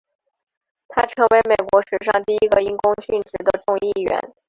他成为美国史上第一个因公殉职的众议员。